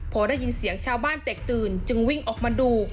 พอได้ยินเสียงชาวบ้านแตกตื่นจึงวิ่งออกมาดู